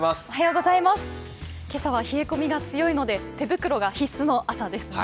今朝は冷え込みが強いので手袋が必須の朝ですね。